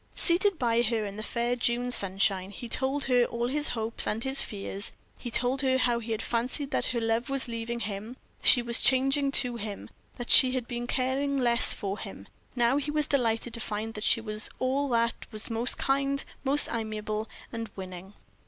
Seated by her, in the fair June sunshine, he told her all his hopes and his fears; he told her how he had fancied that her love was leaving him, that she was changing to him, that she had been caring less for him. Now he was delighted to find that she was all that was most kind, most amiable, and winning.